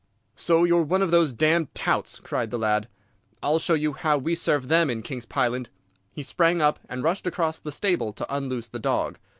"'So, you're one of those damned touts!' cried the lad. 'I'll show you how we serve them in King's Pyland.' He sprang up and rushed across the stable to unloose the dog.